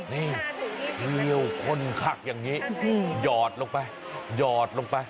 นี่เลี่ยวคนขักอย่างนี้หยอดลงไปหยอดลงไป